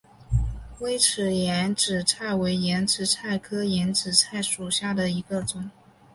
微齿眼子菜为眼子菜科眼子菜属下的一个种。